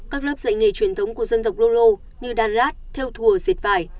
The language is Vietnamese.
các lớp dạy nghề truyền thống của dân tộc lô lô như đàn lát theo thùa dệt vải